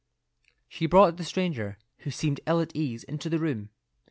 She brought the stranger, who seemed ill at ease, into the room.